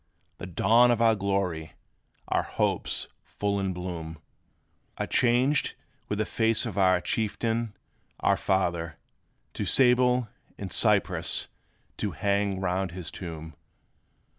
The dawn of our glory, our hopes full in bloom Are changed, with the face of our Chieftain, our Father, To sable and cypress to hang round his tomb.